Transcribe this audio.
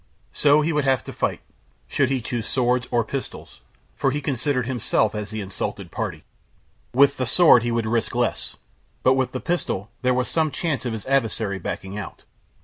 So he would have to fight! Should he choose swords or pistols? for he considered himself as the insulted party. With the sword he would risk less, but with the pistol there was some chance of his adversary backing out.